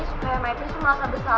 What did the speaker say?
supaya maipi semuanya bisa bersalah